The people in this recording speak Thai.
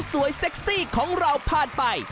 เซ็กซี่ของเราผ่านไป